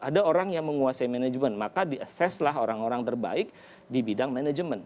ada orang yang menguasai manajemen maka di asseslah orang orang terbaik di bidang manajemen